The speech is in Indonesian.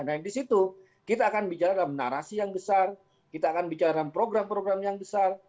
nah di situ kita akan bicara dalam narasi yang besar kita akan bicara dalam program program yang besar